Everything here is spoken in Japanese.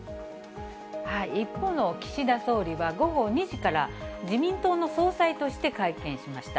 一方の岸田総理は、午後２時から、自民党の総裁として会見しました。